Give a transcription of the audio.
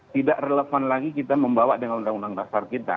tidak relevan lagi kita membawa dengan undang undang dasar kita